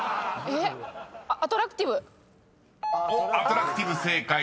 ［おっ「アトラクティブ」正解。